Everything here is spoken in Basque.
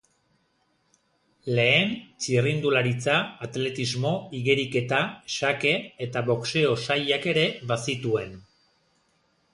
Lehen txirrindularitza, atletismo, igeriketa, xake eta boxeo sailak ere bazituen.